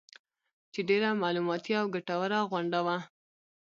چې ډېره معلوماتي او ګټوره غونډه وه